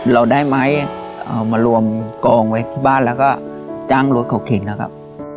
เราได้ไม้เอามารวมกองไปบ้านแล้วก็จ้างรถข่าวเข็งอะครับ